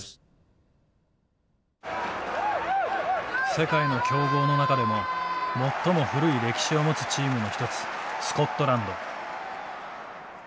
世界の強豪の中でも最も古い歴史を持つチームの一つスコットランド。